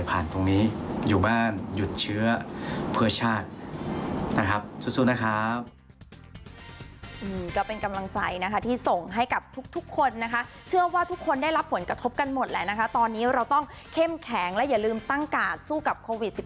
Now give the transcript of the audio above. เพื่อชาตินะครับสู้นะครับ